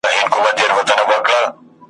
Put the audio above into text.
له سړي چي لاره ورکه سي ګمراه سي ,